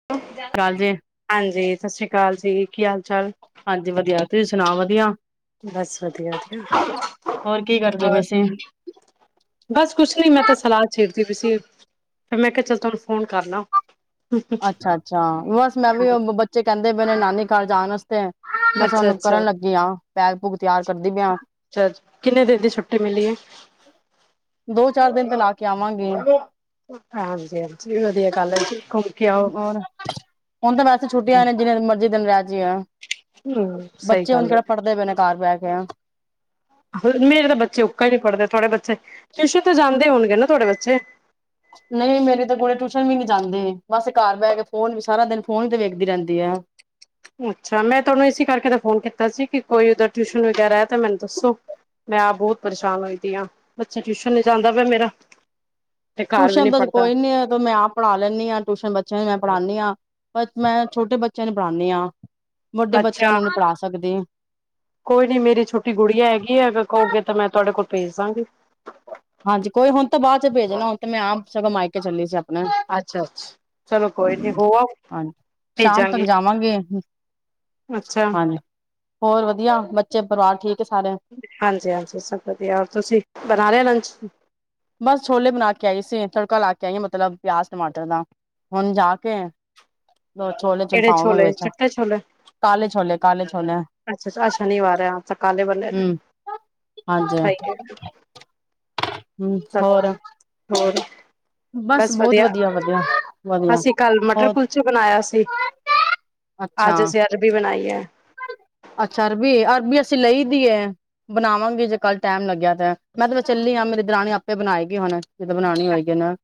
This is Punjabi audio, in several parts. [inaudible] ਕਾਲ ਜੇ ਹਾਂਜੀ, ਸਤਿ ਸ਼੍ਰੀ ਅਕਾਲ ਜੀ, ਕੀ ਹਾਲ ਚਾਲ। ਹਾਂਜੀ, ਵਧੀਆ ਤੁਸੀਂ ਸੁਣਾਓ ਵਧੀਆ। ਬਸ ਵਧੀਆ ਵਧੀਆ ਕੀ ਕਰਦੇ ਪਏ ਹੋਰ। ਸੀ? ਬਸ ਕੁਛ ਨੀ ਮੈਂ ਤਾਂ ਸਲਾਹ ਛੇਡਦੀ ਪਈ ਸੀ। ਫਿਰ ਮੈਂ ਕਿਹਾ ਚੱਲ ਤੁਹਾਨੂੰ ਫੋਨ ਕਰ ਲਾ। ਅੱਛਾ ਅੱਛਾ ਬਸ ਮੈਂ ਵੀ ਬੱਚੇ ਕਹਿੰਦੇ ਪਏ ਨੇ ਨਾਨੀ ਘਰ ਜਾਣ ਵਾਸਤੇ। ਬਸ ਉਹਨੂੰ ਅੱਛਾ-ਅੱਛਾ। ਕਰਨ ਲੱਗੀ ਹੈ ਬੈਗ ਪੂਗ ਤਿਆਰ ਕਰਦੀ ਪਈ ਆ। ਅੱਛਾ, ਕਿੰਨੇ ਦਿਨ ਦੀ ਛੁੱਟੀ ਮਿਲੀ ਹੈ। ਦੋ-ਚਾਰ ਦਿਨ ਮੈਂ ਲਾ ਕੇ ਆਵਾਂਗੀ। ਹਾਂਜੀ-ਆਂਜੀ, ਵਧੀਆ ਗੱਲ ਐ ਜੀ, ਘੁੰਮ ਕੇ ਆਓ, ਓਰ, ਹੁਨ ਤਾਂ ਵੈਸੇ ਛੁੱਟੀਆਂ ਨੇ ਜਿਵੇਂ ਮਰਜ਼ੀ ਦਿਨ ਰੈਜੀਏ। ਹੂੰ ਸਹੀ ਬੱਚੇ ਹੁਨ ਗੱਲ ਏ। ਕਿਹੜਾ ਪੜ੍ਹਦੇ ਪਏ ਨੇ ਘਰ ਬੈਕੇ। ਮੇਰੇ ਤਾਂ ਬੱਚੇ ਉਕਾ ਹੀ ਨੀ ਪੜ੍ਹਦੇ, ਥੋੜੇ ਬੱਚੇ, ਟਿਊਸ਼ਨ ਤੇ ਜਾਂਦੇ ਹੋਨਗੇ ਨਾ ਥੋਡੇ ਬੱਚੇ? ਨੲੀਂ, ਮੇਰੀ ਤਾਂ ਕੁੜੀ ਟੂਸ਼ਨ ਵੀ ਨੀਂ ਜਾਂਦੀ, ਬਸ ਘਰ ਬਹਿ ਕੇ ਫੋਨ ਵੀ ਸਾਰਾ ਦਿਨ ਫੋਨ ਈ ਤੇ ਵੇਖਦੀ ਰੈਂਦੀ ਐ। ਅੱਛਾ, ਮੈਂ ਤੋਨੂੰ ਇਸੀ ਕਰਕੇ ਤਾਂ ਫੋਨ ਕੀਤਾ ਸੀ, ਕਿ ਕੋਈ ਉਧਰ ਟਿਊਸ਼ਨ ਵਗੈਰਾ ਐ ਤੇ ਮੈਨੂੰ ਦੱਸੋ। ਮੈਂ ਆਪ ਬੋਤ ਪਰੇਸ਼ਾਨ ਹੋਈ ਪੀ ਆਂ, ਬੱਚੇ ਟਿਊਸ਼ਨ ਨੀ ਜਾਂਦਾ ਪਿਆ ਮੇਰਾ। ਤੇ ਘਰ ਵੀ ਨੀ ਟੂਸ਼ਨ ਦਾ ਜੇ ਪੜ੍ਹਦਾ। ਕੋਈ ਨੀਂ ਐ ਤ ਮੈਂ ਆਪ ਪੜ੍ਹਾ ਲੈਨੀਂ ਆਂ, ਟੂਸ਼ਨ ਬੱਚਿਆਂ ਨੂੰ ਮੈਂ ਪੜ੍ਹਾਨੀਂ ਆਂ, ਪਰ ਮੈਂ ਛੋਟੇ ਬੱਚਿਆਂ ਨੂੰ ਪੜ੍ਹਾਨੀਂ ਆਂ। ਵੱਡੇ ਬੱਚਿਆਂ ਅੱਛਾ, ਨੂੰ ਨੀਂ ਪੜ੍ਹਾ ਸਕਦੀ। ਕੋਈ ਨੀ, ਮੇਰੀ ਛੋਟੀ ਗੁੜੀਆ ਐਗੀ ਐ, ਅਗਰ ਕਓਗੇ ਤਾਂ ਮੈਂ ਤੁਆਡੇ ਕੋਲ ਭੇਜ ਦਾਂਗੀ। ਹਾਂਜੀ, ਕੋਈ ਹੁਣ ਤਾਂ ਬਾਚ ਭੇਜਣਾ, ਹੁਣ ਤੇ ਮੈਂ ਆਪ ਸਗੋਂ ਮਾਈਕੇ ਚੱਲੀ ਸੀ ਆਪ ਅੱਛਾ-ਅੱਛ, ਚਲੋ ਕੋਈ ਨੀਂ ਹੋ ਆਓ। ਹਾਂਜੀ ਸ਼ਾਮ ਤੱਕ ਭੇਜਾਂਗੀ ਜਾਵਾਂਗੇ। ਅੱਛਾ। ਹਾਂਜੀ ਹੋਰ ਵਧੀਆ, ਬੱਚੇ ਪਰਿਵਾਰ ਠੀਕ ਐ ਸਾਰੇ। ਹਾਂਜੀ-ਹਾਂਜੀ, ਸਭ ਵਧੀਆ ਔਰ ਤੁਸੀਂ, ਬਣਾ ਲਿਆ ਲੰਚ? ਬਸ ਛੋਲੇ ਬਣਾ ਕੇ ਆਈ ਸੀਂ, ਤੜਕਾ ਲਾ ਕੇ ਆਈਆਂ, ਮਤਲਬ ਪਿਆਜ ਟਮਾਟਰ ਦਾ। ਹੁਣ ਜਾ ਕੇ, ਛੋਲੇ-ਛੂਲ ਕਿਹੜੇ ਪਾਵਾਂਗੇ ਛੋਲੇ ਵਿੱਚ। ਚਿੱਟੇ ਕਾਲੇ ਛੋਲੇ-ਕਾਲੇ ਛੋਲੇ। ਅੱਛ-ਛਛਾ, ਆ ਸ਼ਨੀਵਾਰ ਐ ਆਂ ਕਾਲੇ, ਬੱਲੇ ਹੂੰ ਹਾਂਜੀ ਸਹੀ ਏ। ਹੂੰ ਹੋਰ [unintelligible] ਹੋਰ। ਬਸ ਬਹੁਤ ਵਧੀਆ, ਵਧੀਆ ਵਧੀਆ ਅਸੀਂ ਕੱਲ ਮਟਰ ਹੋਰ ਕੁਲਚੇ ਬਣਾਇਆ ਸੀ। ਅੱਛਾ। ਜਬੀ ਬਨਾਈ ਐ। ਅੱਛਾ ਅਰਬੀ, ਅਰਬੀ ਅਸੀਂ ਲਈ ਦੀ ਐ। ਬਣਾਵਾਂਗੇ ਜੇ ਕੱਲ ਟੈਮ ਲੱਗਿਆ ਤੈ, ਮੈਂ ਤ ਚੱਲੀ ਆਂ, ਮੇਰੀ ਦਰਾਣੀ ਆਪੇ ਬਣਾਏਗੀ ਹੁਣ, ਜਿਦਾਂ ਬਣਾਣੀ ਹੋਏਗੀ ਏਨਾ।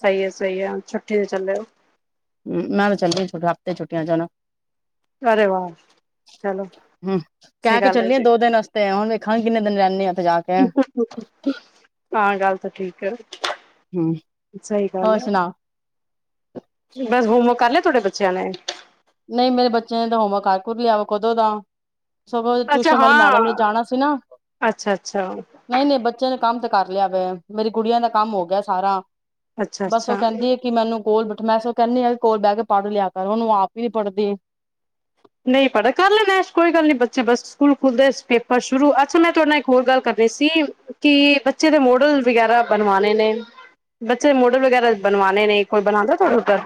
ਸੲੀ ਐ- ਸੲੀ ਐ, ਛੁੱਟੀ ਤੇ ਚੱਲੇ ਓ। ਨਾਲੇ ਚੱਲੀ, ਛੋਟੇ ਹਫਤੇ ਛੁੱਟੀਆਂ ਜਾਨਾ। ਅਰੇ ਵਾਹ ਚਲੋ ਹੁੰਹ, ਅੱਛੀ ਕੈਅ ਕੇ ਗੱਲ ਹੈ ਚੱਲੀ ਆ ਜੀ ਦੋ ਦਿਨ ਆਸ ਤੇ ਉਨ ਵੇਖਾਂਗ ਕਿੰਨੇ ਦਿਨ ਰੈਨੇ ਆਂ ਓਤੇ ਜਾ ਕੇ। [inaudible] ਹਾਂ, ਗੱਲ ਤਾਂ ਠੀਕ ਅ। ਹੂੰ ਸੲੀ ਗੱਲ ਹੋਰ ਐ, ਸੁਣਾ ਬਸ ਹੋਮਵਰਕ ਕਰ ਲਿਐ ਥੋਡੇ ਬੱਚਿਆਂ ਨੇ? ਨਹੀਂ, ਮੇਰੇ ਬੱਚਿਆਂ ਨੇ ਤਾਂ ਹੋਮਵਰਕ ਕਰ-ਕੁਰ ਲਿਆ ਵਾ ਕਦੋਂ ਦਾ। ਸਗੋਂ, ਅੱਛਾ ਟੂਸ਼ਨ ਵਾਲੀ ਹਾਂ, ਮੈਡਮ ਨੇ ਜਾਣਾ ਸੀ ਨਾ। ਅੱਛਾ ਅੱਛਾ, ਨਹੀਂ-ਨਹੀਂ, ਬੱਚਿਆਂ ਨੇ ਕੰਮ ਤੇ ਕਰ ਲਿਆ ਵੇ, ਮੇਰੀ ਕੁੜੀਆ ਨੇ ਕੰਮ ਹੋ ਗਿਐ ਸਾਰਾ। ਅੱਛਾ ਬਸ ਉਹ ਅੱਛਾ ਕੈਂਦੀ ਏ, ਕਿ ਮੈਨੂੰ ਕੋਲ ਬਠ ਮੈਂ ਸੋਂ ਕੈਨੀਂ ਆ ਕੋਲ ਬੈਅ ਕੇ ਪੜ ਲਿਆ ਕਰ, ਓਨੂੰ ਆਪ ਵੀ ਨੀ ਪੜਦੀ। ਨਹੀਂ ਪੜੇ, ਕਰ ਲੈਂਨੇ ਕੋਈ ਗੱਲ ਨੀਂ, ਬੱਚੇ ਬਸ ਸਕੂਲ ਖੁੱਲਦੇ ਪੇਪਰ ਸ਼ੁਰੂ, ਅੱਛਾ ਮੈਂ ਤੁਆਡੇ ਨਾਲ ਇੱਕ ਹੋਰ ਗੱਲ ਕਰ ਸੀ, ਕਿ ਬੱਚੇ ਦੇ ਮੋਡਲ ਵਗੈਰਾ ਬਣਵਾਣੇ ਨੇ। ਬੱਚੇ ਮੋਡਲ ਵਗੈਰਾ ਬਨਵਾਨੇ ਨੇ, ਕੋਈ ਬਣਾਦੈ ਤੁਅਡੇ ਉਧਰ?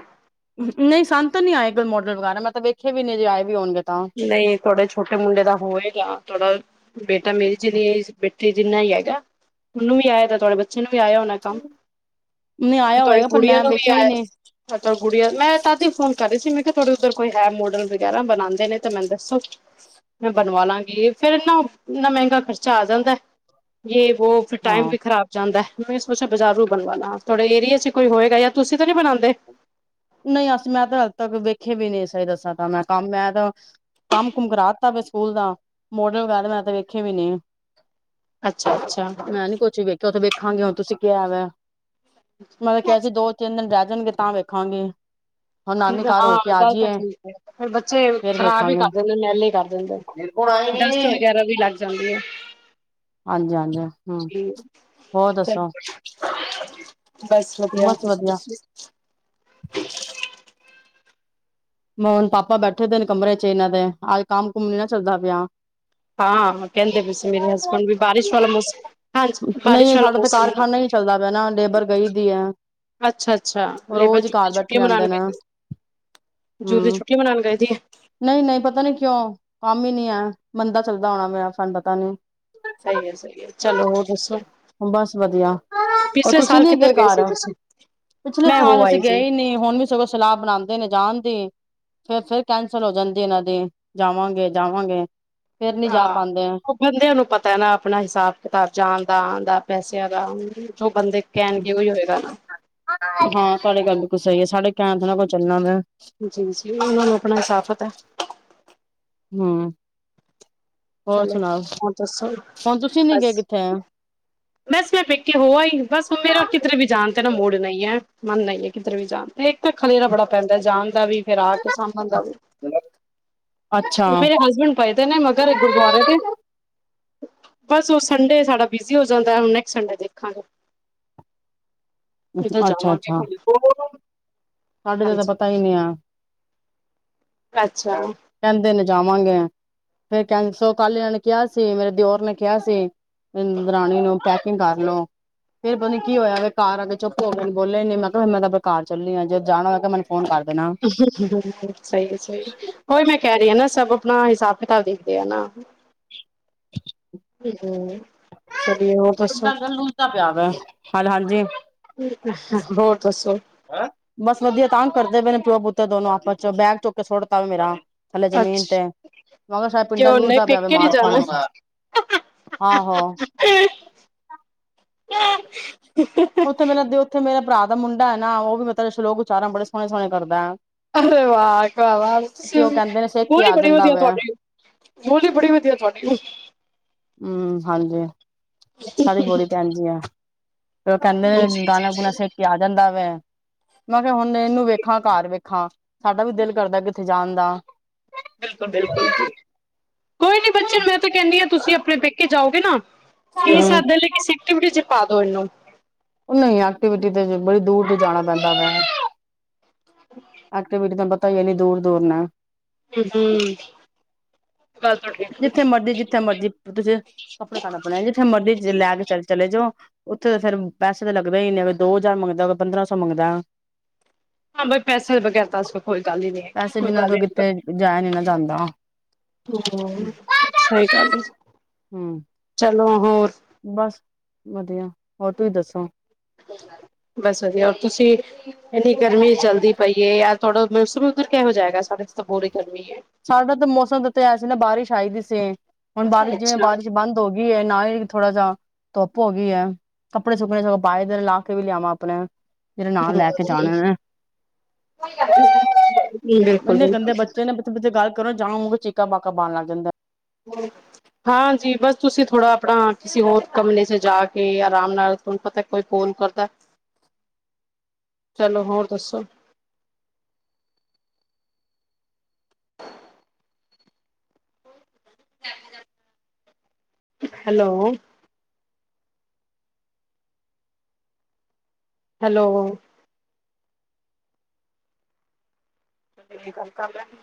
ਨੲੀਂ, ਸਾਨ ਤੇ ਨੀ ਆਏ ਕਲ ਮੋਡਲ ਵਗੈਰਾ, ਮੈਂ ਤਾਂ ਵੇਖੇ ਵੀ ਨੲੀਂ ਜੇ ਆਏ ਵੀ ਹੋਨਗੇ ਤਾਂ। ਨੲੀਂ, ਥੋਡੇ ਛੋਟੇ ਮੁੰਡੇ ਦਾ ਹੋਏਗਾ ਤੋਡਾ ਬੇਟਾ ਮੇਰੀ ਜਿੰਨੀ ਏਜ, ਬੇਟੇ ਜਿੰਨਾ ਈ ਐਗਾ, ਉਨੂੰ ਵੀ ਆਇਐ ਤਾਂ ਤੁਆਡੇ ਬੱਚੇ ਨੂੰ ਵੀ ਆਇਆ ਹੋਨਾ। ਕੰਮ, ਨਹੀਂ ਆਇਆ ਤੁਆਡ ਹੋਏਗਾ ਪਰ ਗੁੜੀਆ ਮੈਂ ਨੂੰ ਵੀ ਵੇਖਿਆ ਆ ਹੀ ਨਹੀਂ ਐ, ਤੁਹਾ ਗੁੜੀਆਂ, ਮੈਂ ਤਦੀ ਫੋਨ ਕਰ ਰੲੇ ਸੀ, ਮੈਂ ਕਿਹਾ ਥੋਡੇ ਉੱਧਰ ਕੋਈ ਹੈ ਮੋਡਲ ਵਗੈਰਾ ਬਣਾਂਦੇ ਨੇ ਤੇ ਮੈਨੂੰ ਦੱਸੋ। ਮੈਂ ਬਨਵਾ ਲਾਂਗੀ ਫੇਰ ਨਾ, ਇੰਨਾ ਮੈਂਗਾ ਖਰਚਾ ਆ ਜਾਂਦੈ, ਯੇ ਵੌ, ਫਿਰ ਟਾਈਮ ਹਾਂ ਵੀ ਖਰਾਬ ਜਾਂਦੈ। ਮੈਂ ਸੋਚਿਆ ਬਜ਼ਾਰੋ ਬਨਵਾ ਲਾਂ, ਥੋਡੇ ਏਰੀਏ ਚ ਕੋਈ ਹੋਏਗਾ ਯਾ, ਤੁਸੀਂ ਤਾਂ ਨੀ ਬਣਾਂਦੇ? ਨਹੀਂ ਅਸ ਮੈਂ ਤੇ ਅਜੇ ਤੱਕ ਵੇਖੇ ਵੀ ਨ ਸਹੀ ਦੱਸਾਂ ਤਾਂ ਮੈਂ ਕੰਮ ਮੈਂ ਤਾ ਕੰਮ ਕੁਮ ਕਰਾ ਦਿੱਤਾ ਵੇ ਸਕੂਲ ਦਾ ਮੋਡਲ ਗੱਲ ਮੈਂ ਤਾਂ ਵੇਖੇ ਵੀ ਨੀ। ਅੱਛਾ ਅੱਛਾ ਮੈਂ ਨੀ ਕੁਛ ਵੀ ਵੇਖਿਆ, ਔ ਤਾਂ ਵੇਖਾਂਗੇ ਹੁਨ ਤੁਸੀਂ ਕਿਆ ਵ। ਮੈਂ ਤੇ ਕਿਹਾ ਸੀ ਦੋ- ਤਿੰਨ ਦਿਨ ਰੈ ਜਾਣਗੇ ਤਾਂ ਵੇਖਾਂਗੇ। ਹੁਣ ਠੀਕ ਨਾਨੀ ਘਰ ਹੋ ਹਾਂ ਕੇ ਆ ਗੱਲ ਤਾਂ ਜਾਈਏ ਠੀਕ ਹੈ, ਫਿਰ ਬੱਚੇ ਫੇਰ ਖ਼ਰਾਬ ਹੀ ਕਰ ਵੇਖਾਂਗੇ ਦਿੰਦੇ ਮੈਲੇ ਕਰ ਦਿੰਦੇ। ਡਸਟ ਵਗੈਰਾ ਵੀ ਲੱਗ ਜਾਂਦੀ ਏ। ਹਾਂਜੀ ਹਾਂਜੀ ਹਮ ਹੋਰ ਦੱਸੋ [unintelligible] ਬਸ ਵਧੀਆ ਤੁਸੀਂ ਦਸੋ। ਮੋ ਪਾਪਾ ਬੈਠੇ ਦੇ ਨੇ ਕਮਰੇ 'ਚ ਇਹਨਾਂ ਦੇ ਅੱਜ ਕੰਮ ਕੁਮ ਨੀ ਨਾ ਚੱਲਦਾ ਪਿਆ। ਹਾਂ ਕਹਿੰਦੇ ਬੇਸੀ ਮੇਰੇ ਹਸਬੈਂਡ ਵੀ ਬਾਰਿਸ਼ ਵਾਲਾ ਮੌਸਮ ਹਾਂਜੀ, ਬਾਰਿਸ਼ ਨਹੀਂ ਵਾਲਾ ਸਾਡਾ ਤੇ ਮੌਸਮ। ਹੈ ਨਾ ਕਾਰਖਾਨਾ ਹੀ ਚੱਲਦਾ ਬਯਾਂ ਨਾ ਲੇਬਰ ਗਈ ਦੀ ਐ। ਅੱਛਾ-ਅੱਛਾ ਲੇਬਰ ਜੂਨ ਦੀ ਛੂੱਟੀ ਰਹਿੰਦੇ ਮਨਾਣ ਨੇ ਗਈ। ਜੂਨ ਦੀ ਛੁੱਟੀ ਮਨਾਉਣ ਗਈ ਦੀ ਏ। ਨਹੀਂ-ਨਹੀਂ ਪਤਾ ਨੀ ਕਿਉਂ ਕੰਮ ਹੀ ਨੀ ਐ ਮੰਦਾ ਚੱਲਦਾ ਹੋਣਾ ਮੇਰਾ ਸਾਨੂੰ ਪਤਾ ਨੀ। ਸਈ ਐ- ਸਈ ਐ, ਚਲੋ ਹੋਰ ਦੱਸੋ। ਬਸ ਵਧੀਆ। ਔ ਪਿਛਲੇ ਤੁਸੀਂ ਸਾਲ ਨੀ ਕਿੱਧਰ ਗਏ ਘਰ, ਸੀ ਤੁਸੀਂ ਪਿਛਲੇ ਮੈਂ ਹੋ ਸਾਲ ਅਸੀਂ ਆਈ ਸੀ ਗਏ ਨੀ ਹੁਣ ਵੀ ਸਗੋਂ ਸਲਾਹ ਬਣਾਂਦੇ ਨੇ ਜਾਣਦੀ। ਫਿਰ -ਫਿਰ ਕੈਂਸਲ ਹੋ ਜਾਂਦੀ ਇਹਨਾਂ ਦੀ ਜਾਵਾਂਗੇ-ਜਾਵਾਂਗੇ ਫੇਰ ਨੀ ਜਾ ਹਾਂ ਪਾਂਦੇ ਆ। ਉਹ ਬੰਦਿਆਂ ਨੂੰ ਪਤਾ ਨਾ ਆਪਣਾ ਹਿਸਾਬ-ਕਿਤਾਬ ਜਾਣ ਦਾ, ਆਣ ਦਾ, ਪੈਸਿਆਂ ਦਾ ਜੋ ਬੰਦੇ ਕੇਣਗੇ ਓਵੇਂ ਹੋਏਗਾ ਨਾ। ਹਾਂ, ਤੁਹਾਡੇ ਗੱਲ ਬਕੁਲ ਸਹੀ ਏ ਸਾਡੇ ਕਹਿਣ ਤੋਂ ਨਾ ਕੋਈ ਚੱਲਣ ਵੈ। ਜੀ ਉਨਾਂ ਨੂੰ ਆਪਣਾ ਹਿਸਾਬ ਪਤਾ। ਹਮ। ਹੋਰ ਚਲੋ ਸੁਣਾਓ, ਦੱਸੋ ਹੁਣ ਤੁਸੀਂ ਨੀ ਗਏ ਬਸ ਕਿੱਥੇ? ਬਸ ਮੈਂ ਪੈਕੇ ਹੋ ਆਈ ਬਸ ਹੁਣ ਮੇਰਾ ਕਿਧਰੇ ਵੀ ਜਾਣ ਤੇ ਤੇਰਾ ਮੂਡ ਨਹੀਂ ਹੈ ਮਨ ਨਹੀਂ ਹੈ ਕਿਧਰੇ ਵੀ ਜਾਣ ਤੇ। ਇੱਕ ਤਾਂ ਖਲੇਰਾ ਬੜਾ ਪੈਂਦਾ ਜਾਣ ਦਾ ਵੀ ਫਿਰ ਆ ਕੇ ਸਾਂਭਣ ਦਾ ਵੀ ਅੱਛਾ ਮੇਰੇ ਹਸਬੈਂਡ ਪਏ ਤੇ ਨੇ ਮਗਰ ਗੁਰਦੁਆਰੇ ਦੇ ਬਸ ਔ ਸੰਡੇ ਸਾਡਾ ਬੀਜੀ ਹੋ ਜਾਂਦਾ ਏ ਹੁਣ ਨੈਕਸ ਸੰਡੇ ਦੇਖਾਂਗੇ। ਜਦੋਂ ਅੱਛਾ ਜਾਵਾਂਗੇ -ਅੱਛਾ, ਸਾਡੇ ਦਾ ਹਾਂਜੀ ਤਾਂ ਪਤਾ ਹੀ ਨਹੀਂ ਆਂ। ਅੱਛਾ। ਕਹਿੰਦੇ ਨੇ ਜਾਵਾਂਗੇ ਫੇਰ ਕਂਹਿ ਸੋ ਕਲ ਇਨਾ ਨੇ ਕਿਹਾ ਸੀ, ਮੇਰੇ ਦਿਓਰ ਨੇ ਕਿਹਾ ਸੀ। ਦਰਾਣੀ ਨੂੰ ਪੈਕਿੰਗ ਕਰਲੋ, ਫਿਰ ਪਤਾ ਨ ਕੀ ਹੋਆ ਵੇ ਘਰ ਆਕੇ ਚੁੱਪ ਹੋਗੇ ਬੋਲੇ ਨੀ ਮੈਂ ਕਿਹਾ ਮੈਂ ਤੇ ਅਪਣੇ ਘਰ ਚੱਲੀ ਆ ਜਦੋ ਜਾਣਾ ਹੋਏਗਾ ਮੈਨ ਫੋਨ ਕਰ ਦੇਣਾ। [unintelligible] ਸਹੀ ਏ -ਸਹੀ ਏ। ਔਈ ਮੈਂ ਕਹਿ ਰੀ ਆ ਨਾ ਸਭ ਆਪਣਾ ਹਿਸਾਬ-ਕਿਤਾਬ ਦੇਖਦੇ ਆ ਨਾ। [unintelligible] ਹੋਰ ਦੱਸੋ [unintelligible] [unintelligible] ਹੋਰ ਦੱਸੋ। ਹ ਬਸ ਵਧੀਆ ਤਾਂਗ ਕਰਦੇ ਬਏ ਨੇ ਪਿਓ-ਪੂਤਰ ਦੋਨੋ ਆਪਸ 'ਚ ਬੈਗ ਚੁੱਕ ਕੇ ਸੁਟਤਾ ਵਾ ਮੇਰਾ। ਥੱਲੇ ਜ਼ਮੀਨ ਤੇ ਅੱਛਾ ਮੈਂ ਕਿਹਾ, ਸ਼ਾਇਦ ਪਿੰਡਾਂ ਕਿਉਂ ਨਹੀਂ ਲੂਸਦਾ ਪਿਆ ਵੇ ਪੇਕੇ ਨੀ ਮਾਰ ਖਾਣ ਜਾਣਾ ਵਸ ਆਹੋ। [inaudible] ਉੱਥੇ ਮੇਰਾ ਦੋ ਉੱਥੇ ਮੇਰੇ ਭਰਾ ਦਾ ਮੁੰਡਾ ਏ ਨਾ ਉਹ ਵੀ ਮਤਲ ਸ਼ਲੋਕ ਓਚਾਰਣ ਬੜੇ ਸੋਹਣੇ-ਸੋਹਣੇ ਕਰਦਾ। ਅਰੇ ਵਾਹ ਭਰਾਵਾਂ ਤੇ ਉਹ [unintelligible] ਕਹਿੰਦੇ ਨੇ ਸਿੱਖ ਕੇ ਆ ਬੜੀ ਜਾਂਦਾ ਵਧੀਆ ਵੇ ਤੁਹਾਡੀ। ਬੋਲੀ ਬੜੀ ਵਧੀਆ ਤੁਹਾਡੀ ਓਫ਼। ਹਮ-ਮ ਹਾਂਜੀ ਸਾਡੀ ਬੋਲੀ ਤਾਂ ਏਂਜ ਈ ਆ ਤੇ ਉਹ ਕਹਿੰਦੇ ਜੀ ਜੀ ਗਾਣਾ ਗੁਣਾ ਸਿੱਕ ਕੇ ਆ ਜਾਂਦਾ ਵੇ। ਮੈਂ ਕਿਹਾ ਹੁਣ ਇਹਨੂੰ ਵੇਖਾਂ ਘਰ ਵੇਖਾਂ, ਸਾਡਾ ਵੀ ਦਿਲ ਕਰਦਾ ਕਿੱਥੇ ਜਾਣ ਦਾ। ਬਿਲਕੁਲ-ਬਿਲਕੁਲ ਜੀ, ਕੋਈ ਨੀ ਬੱਚੇ ਨਾ ਮੈਂ ਤਾਂ ਕਹਿੰਨੀ ਆਂ, ਤੁਸੀਂ ਆਪਣੇ ਪੇਕੇ ਜਾਓਗੇ ਨਾ [unintelligible] ਸੱਦ ਹੂੰ ਲੈ ਕਿਸੇ ਇੱਕ ਵੀਡਿਓ ਚ ਪਾ ਦੋ ਇਹਨੂੰ। ਉਹ ਨਹੀਂ ਐਕਟੀਵਾ ਤੇ, ਤਾਂ ਬੜੀ ਦੂਰ ਦੀ ਜਾਣਾ ਪੈਂਦਾ ਵਾ। [inaudible] ਐਕਟੀਵਿਟੀ ਤੈਨੂੰ ਪਤਾ ਈ ਐ ਐਨੀ ਦੂਰ-ਦੂਰ ਨੇ। ਹੂੰ-ਹੂੰ। ਕਦ ਤੱਕ ਏ। ਜਿੱਥੇ ਮਰਜ਼ੀ-ਜਿੱਥੇ ਮਰਜ਼ੀ ਤੁਸੀਂ ਕੱਪੜੇ ਪਾਣਾ ਪੈਣੇ, ਜਿੱਥੇ ਮਰਜ਼ੀ ਲੈ ਕੇ ਚ ਚਲੇ ਜਾਓ। ਉੱਥੇ ਤਾਂ ਫੇਰ ਪੈਸੇ ਤਾਂ ਲੱਗਦਾ ਹੀ ਨੇ, ਦੋ ਹਜ਼ਾਰ ਮੰਗਦਾ, ਪੰਦਰਾਂ ਸੌ ਮੰਗਦਾ। ਹਾਂ, ਬਸ ਪੈਸੇ ਵਗੈਰ ਤਾਂ ਕੋਈ ਗੱਲ ਈ ਨੀ ਐ, ਕੋਈ ਗੱਲ ਈ ਨੀ। ਜਇਆ ਨੀ ਨਾ ਜਾਂਦਾ। ਹੂੰ, ਸਹੀ ਗੱਲ ਏ, ਹੂੰ। ਚਲੋ ਹੋਰ ਬਸ ਵਧੀਆ, ਹੋਰ ਤੁਸੀਂ ਦੱਸੋ। ਬਸ ਵਧੀਆ, ਔਰ ਤੁਸੀਂ। ਏਨੀ ਗਰਮੀ ਜਲਦੀ ਪਈ ਏ, ਯਾਰ ਥੋਡੇ ਮੌਸਮ ਓਦਰ ਕਿਹੋ ਜਾ ਹੈਗਾ, ਸਾਡੇ ਏਥੇ ਤਾਂ ਪੂਰੀ ਗਰਮੀ ਐ। ਸਾਡਾ ਤਾਂ ਮੌਸਮ ਤੇ ਤਾਂ ਹੈ ਸੀ ਨਾ ਬਾਰਿਸ਼ ਆਈ ਦੀ ਸੀ, ਹੁਣ ਬਾਰਿਸ਼ ਜਿਵੇਂ ਅੱਛਾ ਬਾਰਿਸ਼ ਬੰਦ ਹੋ ਗਈ ਏ, ਨਾ ਹੀ ਥੋੜਾ ਜਾ ਧੁੱਪ ਹੋ ਗਈ ਐ ਕੱਪੜੇ ਸੁੱਕਣੇ ਸਗੋਂ ਪਾਏ ਦੇ, ਲਾਹ ਕੇ ਵੀ ਲਿਆਵਾਂ ਆਪਣੇ। ਜਿਹੜੇ ਨਾਲ ਲੈ ਕੇ ਜਾਣੇ ਨੇ। ਜੀ ਇੰਨੇ ਗੰਦੇ ਬਿਲਕੁਲ-ਬਿਲਕੁਲ। ਬੱਚੇ ਨੇ ਪੱਥੇ ਪਥੇ ਗੱਲ ਕਰੋ ਜਾਊਂ, ਓਹ ਚੀਕਾ ਬਾਕਾ ਪਾਣ ਲੱਗ ਜਾਂਦੇ ਨੇ। ਹੂੰ। ਹਾਂਜੀ, ਬਸ ਤੁਸੀਂ ਥੋੜਾ ਆਪਣਾ ਕਿਸੇ ਹੋਰ ਕਮਰੇ ਚ ਜਾ ਕੇ ਆਰਾਮ ਨਾਲ ਤੁਹਾਨੂੰ ਪਤਾ ਕੋਈ ਫੋਨ ਕਰਦਾ, ਚਲੋ ਹੋਰ ਦੱਸੋ। ਹੈਲੋ। ਹੈਲੋ। ਕੀ-ਕੀ ਕੰਮ ਕਰ ਲਿਆ ਇਹਨੇ?